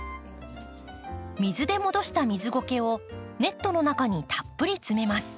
水で戻した水ごけをネットの中にたっぷり詰めます。